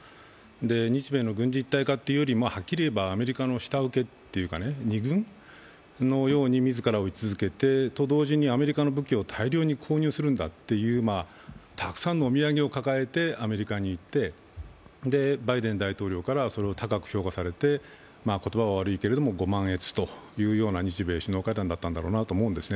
日米の軍事一体化というより、はっきり言えばアメリカの下請けというか２軍のように自らを位置づけて、と同時にアメリカの武器を大量に購入するんだってたくさんのお土産を抱えてアメリカに行ってバイデン大統領からそれを高く評価されて、言葉は悪いけれども、ご満悦というような日米首脳会談だったんだろうなと思うんですね。